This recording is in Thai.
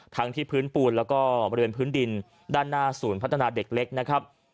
ทั้งที่พื้นปูนแล้วก็บริเวณพื้นดินด้านหน้าศูนย์พัฒนาเด็กเล็กนะครับ